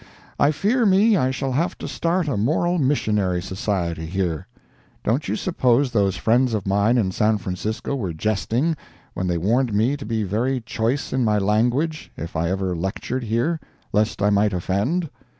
I fear me I shall have to start a moral missionary society here. Don't you suppose those friends of mine in San Francisco were jesting, when they warned me to be very choice in my language, if I ever lectured here, lest I might offend?